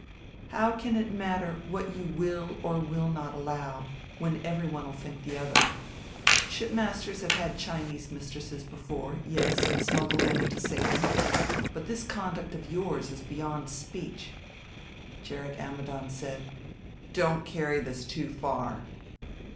"How can it matter what you will or will not allow when everyone'll think the other? Shipmasters have had Chinese mistresses before, yes, and smuggled them into Salem; but this conduct of yours is beyond speech." Gerrit Ammidon said: "Don't carry this too far."